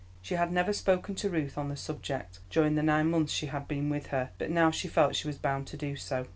She had never spoken to Ruth on the subject during the nine months she had been with her, but now she felt she was bound to do so.